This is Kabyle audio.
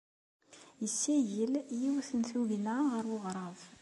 Yessagel yiwet n tugna ɣer uɣrab.